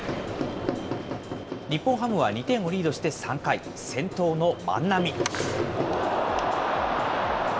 日本ハムは２点をリードして３回、先頭の万波。